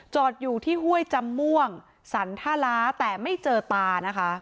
อยู่ที่ห้วยจำม่วงสรรท่าล้าแต่ไม่เจอตานะคะ